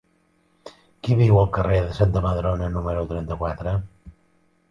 Qui viu al carrer de Santa Madrona número trenta-quatre?